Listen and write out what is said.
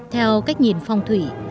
theo cách nhìn phong thủy